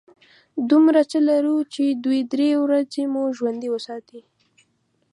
دومره څه لرو چې دوې – درې ورځې مو ژوندي وساتي.